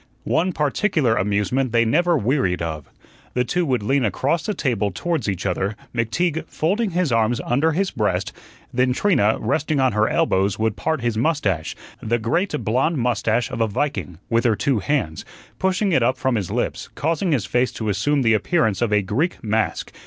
One particular amusement they never wearied of. The two would lean across the table towards each other, McTeague folding his arms under his breast. Then Trina, resting on her elbows, would part his mustache the great blond mustache of a viking with her two hands, pushing it up from his lips, causing his face to assume the appearance of a Greek mask.